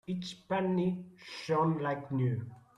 Each penny shone like new.